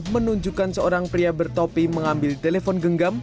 menunjukkan seorang pria bertopi mengambil telepon genggam